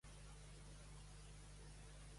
Com sabem part de la seva biografia?